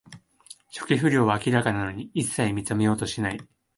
初期不良は明らかなのに、いっさい認めようとしない